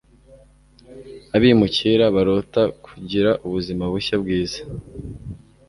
abimukira barota kugira ubuzima bushya, bwiza